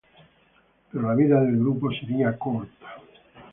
Pero la vida del grupo sería corta.